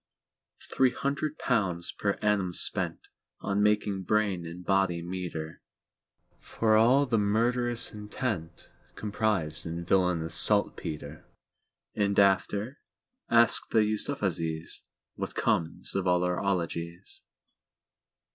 Three hundred pounds per annum spentOn making brain and body meeterFor all the murderous intentComprised in "villainous saltpetre!"And after?—Ask the YusufzaiesWhat comes of all our 'ologies.